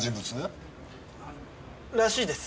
らしいです。